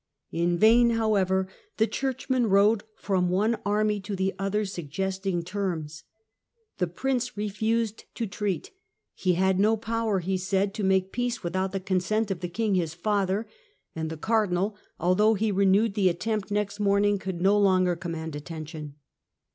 In vain, however, the Churchman rode from one army to the other suggesting terms. The Prince refused to treat : he had no power, he said, to make peace without the consent of the King his father, and the Cardinal, although he renewed the attempt next morning, could no longer command attention.